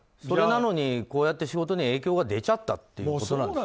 それなのにこうやって仕事に影響が出ちゃったという。